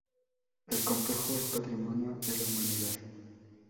El complejo es Patrimonio de la Humanidad.